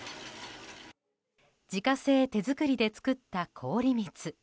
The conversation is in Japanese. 自家製手作りで作った氷蜜。